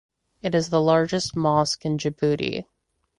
It is the largest mosque in Djibouti.